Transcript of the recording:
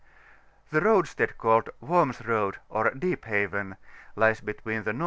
The roadstead called Worms Road, or Deep Haven, lies between the N.E.